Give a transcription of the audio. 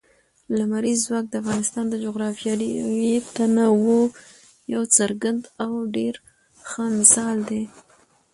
لمریز ځواک د افغانستان د جغرافیوي تنوع یو څرګند او ډېر ښه مثال دی.